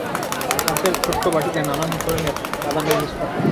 কাচের ছোট্ট বাটিতে নানান ধরনের বাদামের মিশ্রণ।